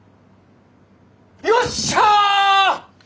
よっしゃ！